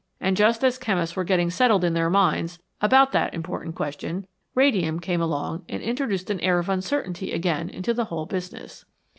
And just as chemists were getting settled in their minds about that important question, radium came along and introduced an air of uncertainty again into the whole business.